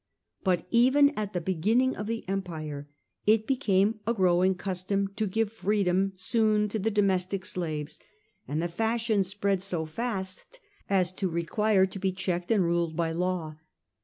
But even at the beginning of the Empire it became a growing custom to give freedom soon to the domestic slaves, and the fashion spread so fast as to re 220 The Earlier Empire, quire to be checked and ruled by law.